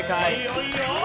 いいよ！